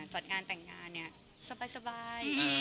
จัดงานแต่งงานเนี่ยสบาย